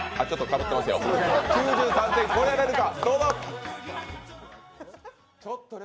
９３点超えられるか。